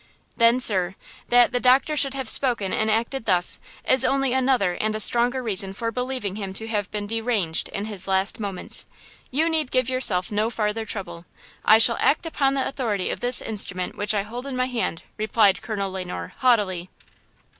"Then, sir, that the doctor should have spoken and acted thus, is only another and a stronger reason for believing him to have been deranged in his last moments! You need give yourself no farther trouble! I shall act upon the authority of this instrument which I hold in my hand," replied Colonel Le Noir, haughtily.